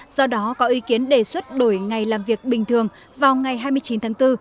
do đó có ý kiến đề xuất đổi ngày làm việc bình thường vào ngày hai mươi chín tháng bốn